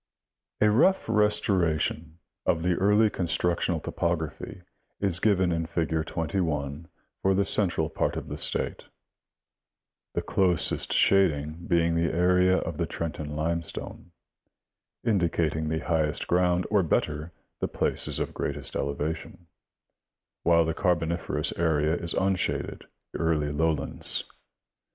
— A rough restoration of the early constructional topography is given in fig. 21 for the central part of the State, the closest shading being the area of the Trenton limestone, indicating the highest ground, or better, the places of greatest elevation, while the Carboniferous area is unshaded, indicating the early lowlands.